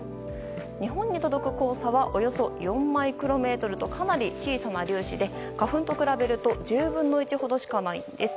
日本に届く黄砂はおよそ４マイクロメートルとかなり小さな粒子で花粉と比べると１０分の１ほどしかないんです。